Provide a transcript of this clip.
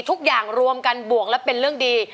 ทุกอย่างรวมกันบวงแล้วเป็นเรื่องดี